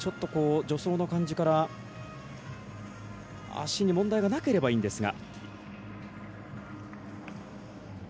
助走の感じから足に問題がなければいいんですが。